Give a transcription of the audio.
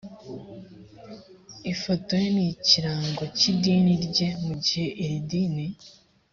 ifoto ye n ikirango cy idini rye mu gihe iri dini